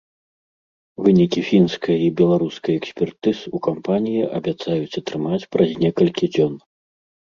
Вынікі фінскай і беларускай экспертыз у кампаніі абяцаюць атрымаць праз некалькі дзён.